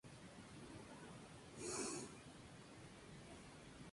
Aparicio de los Ríos fue un caminante eterno, entre Buenos Aires y Asunción.